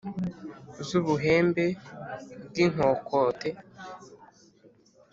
Z'ubuhembe bw'inkokote,